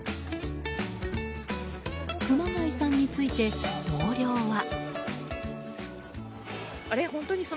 熊谷さんについて同僚は。